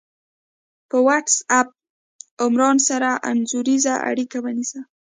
په وټس آپ عمران سره انځوریزه اړیکه ونیسه